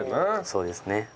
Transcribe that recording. そうですね。